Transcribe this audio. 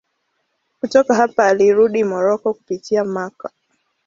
Kutoka hapa alirudi Moroko kupitia Makka.